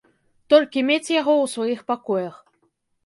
Толькі мець яго ў сваіх пакоях.